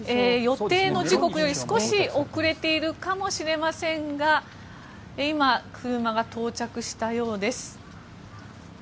予定の時刻より少し遅れているかもしれませんが今、車が到着したようです。